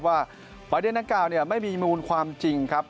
ว่าประเด็นดังกล่าวไม่มีมูลความจริงครับ